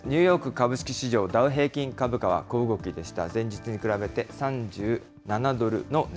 ニューヨーク株式市場、平均株価は小動きでした。